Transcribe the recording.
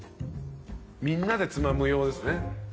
みんなでつまむ用ですね。